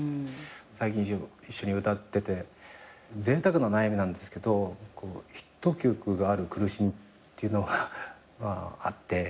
最近一緒に歌っててぜいたくな悩みなんですけどヒット曲がある苦しみっていうのがあって。